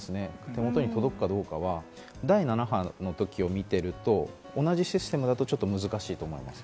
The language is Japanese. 手元に届くかどうかは第７波の時を見ていると、同じシステムだとちょっと難しいと思います。